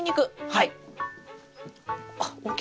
はい。